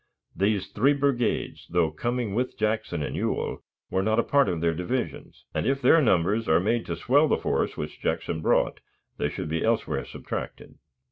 These three brigades, though coming with Jackson and Ewell, were not a part of their divisions, and, if their numbers are made to swell the force which Jackson brought, they should be elsewhere subtracted.